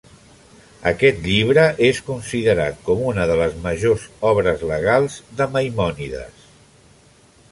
Aquest llibre és considerat com una de les majors obres legals de Maimònides.